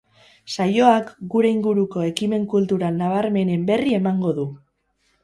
Saioak, gure inguruko ekimen kultural nabarmenenen berri emango du.